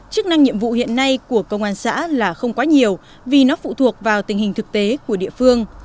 chức năng nhiệm vụ hiện nay của công an xã là không quá nhiều vì nó phụ thuộc vào tình hình thực tế của địa phương